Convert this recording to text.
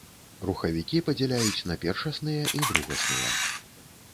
Рухавікі падзяляюць на першасныя і другасныя.